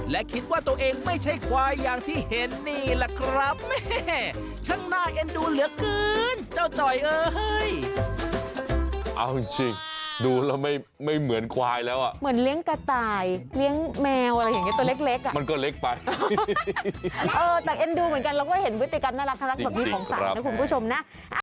และคิดว่าตัวเองไม่ใช่ไขวอย่างที่เห็น